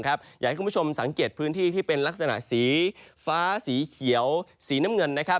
อยากให้คุณผู้ชมสังเกตพื้นที่ที่เป็นลักษณะสีฟ้าสีเขียวสีน้ำเงิน